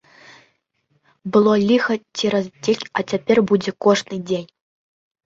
Было ліха цераз дзень, а цяпер будзе кожны дзень!